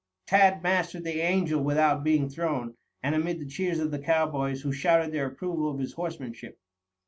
Tad mastered the Angel without being thrown, and amid the cheers of the cowboys, who shouted their approval of his horsemanship.